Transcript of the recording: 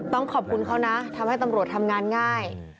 ต้องขอบคุณเขานะทำให้ตำรวจทำงานง่าย